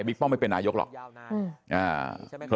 ป้อมไม่เป็นนายกหรอก